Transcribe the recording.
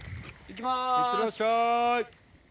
いってらっしゃい。